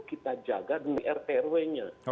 kita jaga demi rtrw nya